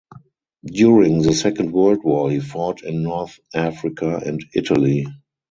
During the Second World War he fought in North Africa and Italy.